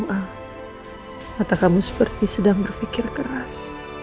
mata kamu seperti sedang berpikir keras